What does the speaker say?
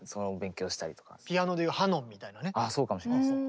ああそうかもしれないですね。